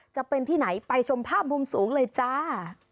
จะเป็นที่ไหนไปชมภาพมุมสูงเลยจ้า